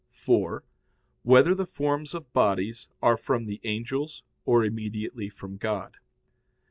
(4) Whether the forms of bodies are from the angels or immediately from God.